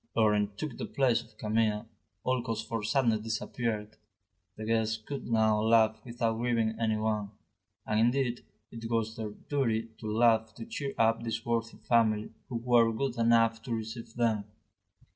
Laurent took the place of Camille, all cause for sadness disappeared, the guests could now laugh without grieving anyone; and, indeed, it was their duty to laugh to cheer up this worthy family who were good enough to receive them.